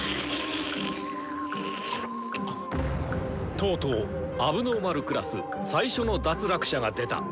とうとう問題児クラス最初の脱落者が出た。